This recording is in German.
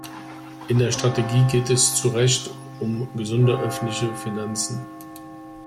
In der Strategie geht es zu Recht um gesunde öffentliche Finanzen.